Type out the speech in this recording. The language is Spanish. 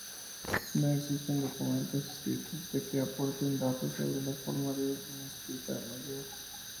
No existen documentos escritos que aporten datos sobre la forma de la Mezquita Mayor.